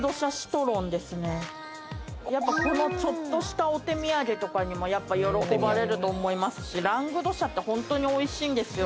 やっぱこのちょっとしたお手土産とかにも喜ばれると思いますしラング・ド・シャって本当においしいんですよね。